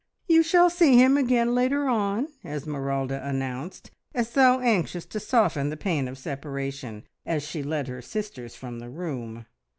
"You shall see him again later on," Esmeralda announced, as though anxious to soften the pain of separation, as she led her sisters from the room.